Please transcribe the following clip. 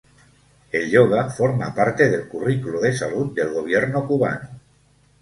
El yoga forma parte del currículo de salud del gobierno cubano.